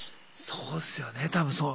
そうですよね多分そう。